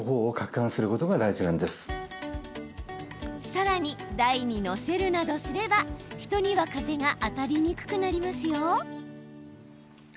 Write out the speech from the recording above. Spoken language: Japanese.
さらに、台に載せるなどすれば人には風が当たりにくくなりますよ。